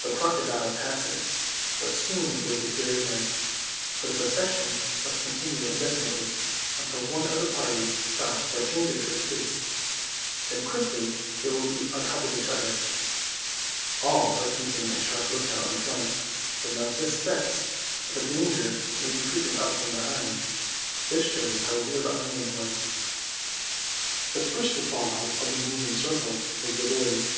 The crocodile passes, but soon the boys appear again, for the procession must continue indefinitely until one of the parties stops or changes its pace. Then quickly they will be on top of each other. All are keeping a sharp look out in front, but none suspects that the danger may be creeping up from behind. This shows how real the island was. The first to fall out of the moving circle was the boys.